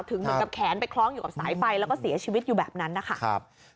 เหมือนกับแขนไปคล้องอยู่กับสายไฟแล้วก็เสียชีวิตอยู่แบบนั้นนะคะ